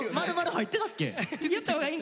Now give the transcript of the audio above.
○○入ってたっけ？